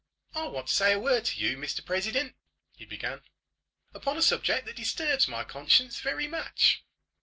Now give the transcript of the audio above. "I want to say a word to you, Mr President," he began, "upon a subject that disturbs my conscience very much."